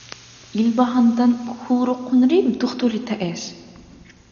Илбагьандан хьулрухъунрив тухтур ретаэс?